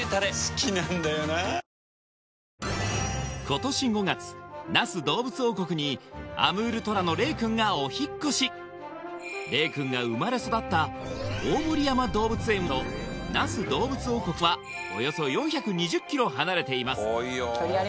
今年５月那須どうぶつ王国にアムールトラの令くんがお引っ越し令くんが生まれ育った大森山動物園と那須どうぶつ王国はおよそ４２０ｋｍ離れています